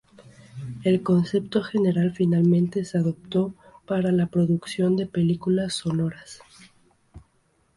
El concepto general finalmente se adoptó para la producción de películas sonoras.